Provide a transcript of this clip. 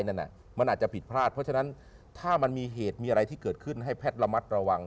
นั่นมันอาจจะผิดพลาดเพราะฉะนั้นถ้ามันมีเหตุมีอะไรที่เกิดขึ้นให้แพทย์ระมัดระวัง